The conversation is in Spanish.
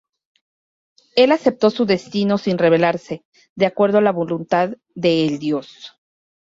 Él aceptó su destino sin rebelarse, de acuerdo a la voluntad de el Dios.